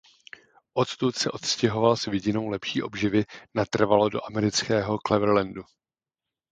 Odtud se odstěhoval s vidinou lepší obživy natrvalo do amerického Clevelandu.